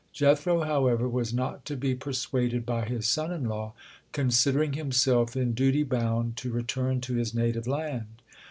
Jethro, however, was not to be persuaded by his son in law, considering himself in duty bound to return to his native land.